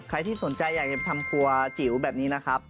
ใครที่สนใจอยากจะทำครัวจิ๋วแบบนี้นะครับ